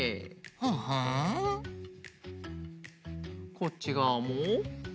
こっちがわも。